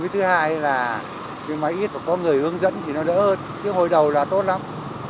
thứ hai là cái máy ít có người hướng dẫn thì nó đỡ hơn chứ hồi đầu là tốt lắm